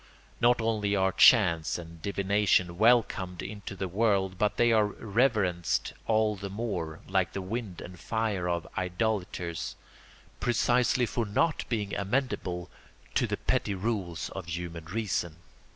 Not only are chance and divination welcomed into the world but they are reverenced all the more, like the wind and fire of idolaters, precisely for not being amenable to the petty rules of human reason.